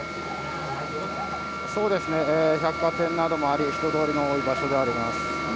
百貨店などもあり人通りも多い場所であります。